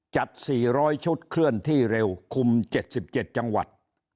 จัด๔๐๐ชุดเคลื่อนที่เร็วคุม๗๗จังหวัด